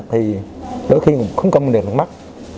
thì đôi khi cũng không cầm được nước mắt